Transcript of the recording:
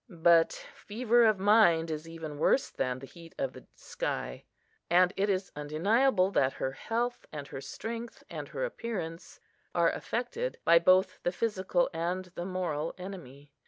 But fever of mind is even worse than the heat of the sky; and it is undeniable that her health, and her strength, and her appearance are affected by both the physical and the moral enemy.